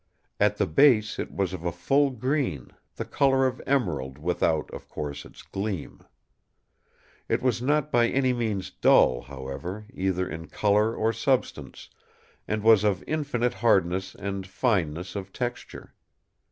At the base it was of a full green, the colour of emerald without, of course, its gleam. It was not by any means dull, however, either in colour or substance, and was of infinite hardness and fineness of texture.